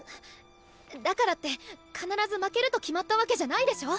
だからって必ず負けると決まったわけじゃないでしょ？